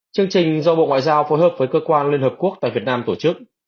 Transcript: chương trình do bộ ngoại giao phối hợp với cơ quan liên hợp quốc tại việt nam tổ chức